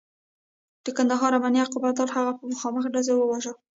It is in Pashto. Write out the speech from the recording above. د کندهار امنیه قوماندان هغه په مخامخ ډزو وواژه.